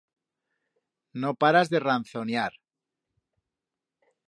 No paras de ranzoniar!